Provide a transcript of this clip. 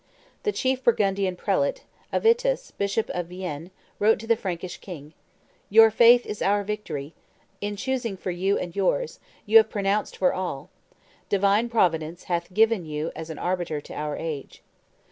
The chief Burgundian prelate, Avitus, bishop of Vienne, wrote to the Frankish king, "Your faith is our victory; in choosing for you and yours, you have pronounced for all; divine providence bath given you as arbiter to our age.